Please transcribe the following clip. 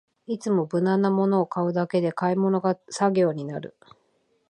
いつも無難なものを買うだけで買い物が作業になる